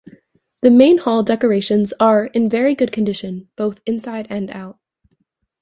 The main hall decorations are in very good condition both inside and out.